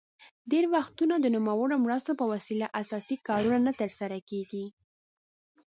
ډیری وختونه د نوموړو مرستو په وسیله اساسي کارونه نه تر سره کیږي.